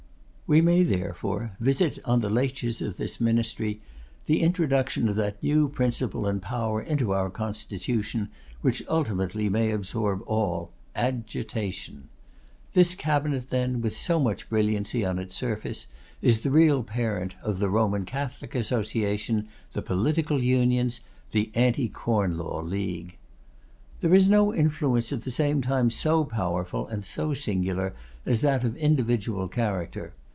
We may, therefore, visit on the laches of this ministry the introduction of that new principle and power into our constitution which ultimately may absorb all, AGITATION. This cabinet, then, with so much brilliancy on its surface, is the real parent of the Roman Catholic Association, the Political Unions, the Anti Corn Law League. There is no influence at the same time so powerful and so singular as that of individual character.